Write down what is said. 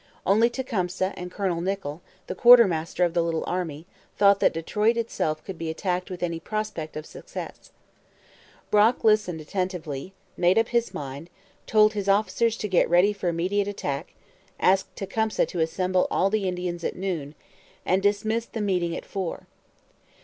Only Tecumseh and Colonel Nichol, the quartermaster of the little army, thought that Detroit itself could be attacked with any prospect of success. Brock listened attentively; made up his mind; told his officers to get ready for immediate attack; asked Tecumseh to assemble all the Indians at noon; and dismissed the meeting at four.